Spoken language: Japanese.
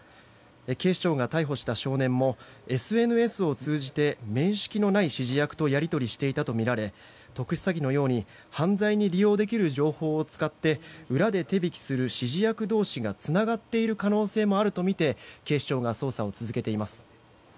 警視庁が逮捕した少年もＳＮＳを通じて面識のない指示役とやり取りしていたとみられ特殊詐欺のように犯罪に利用できる情報を使い裏で手引きする指示役同士がつながっている可能性もあるとみて警視庁が捜査を続けています。